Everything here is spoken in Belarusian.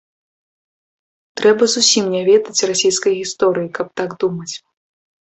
Трэба зусім не ведаць расейскай гісторыі, каб так думаць.